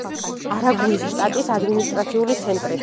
არაგუის შტატის ადმინისტრაციული ცენტრი.